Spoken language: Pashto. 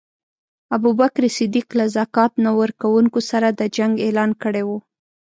ابوبکر صدیق له ذکات نه ورکونکو سره د جنګ اعلان کړی وو.